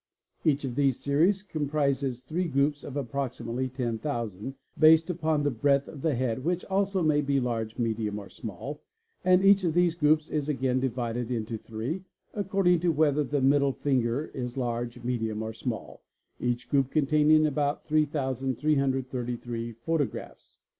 Hach ; of these series comprises 3 groups of approximately 10,000, based upon the 01 eadth of the head which also may be large, medium, or small, and each ' of these groups is again divided into 3, according to whether the middle finger is large, medium, or small, each group containing about 3,333 photographs.